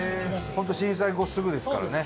本当、震災後すぐですからね。